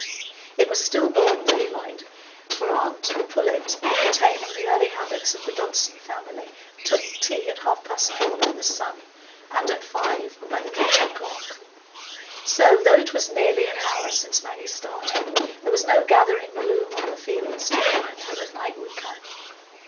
It was still broad daylight, for aunt Pullet, retaining the early habits of the Dodson family, took tea at half past four by the sun, and at five by the kitchen clock; so, though it was nearly an hour since Maggie started, there was no gathering gloom on the fields to remind her that the night would come.